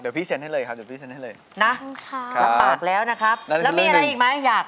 เดี๋ยวพี่เซ็นต์ให้เลยครับนะครับปากปากแล้วนะครับแล้วมีอะไรอีกไหมอยาก